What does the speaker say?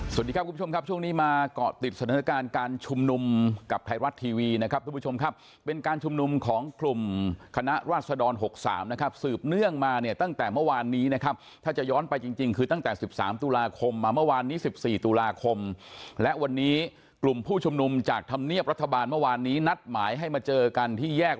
สวัสดีครับคุณผู้ชมครับช่วงนี้มาเกาะติดสถานการณ์การชุมนุมกับไทยรัฐทีวีนะครับทุกผู้ชมครับเป็นการชุมนุมของกลุ่มคณะราษฎร๖๓นะครับสืบเนื่องมาเนี่ยตั้งแต่เมื่อวานนี้นะครับถ้าจะย้อนไปจริงคือตั้งแต่๑๓ตุลาคมมาเมื่อวานนี้๑๔ตุลาคมและวันนี้กลุ่มผู้ชุมนุมจากธรรมเนียบรัฐบาลเมื่อวานนี้นัดหมายให้มาเจอกันที่แยก